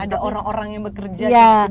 ada orang orang yang bekerja